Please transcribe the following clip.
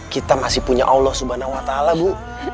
kita masih punya allah subhanahu wa ta'ala bu